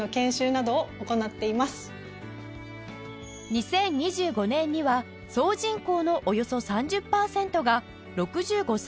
２０２５年には総人口のおよそ３０パーセントが６５歳以上となる日本